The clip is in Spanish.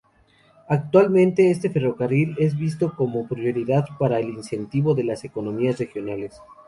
Actualmente este ferrocarril es visto como prioridad para el incentivo de las economías regionales.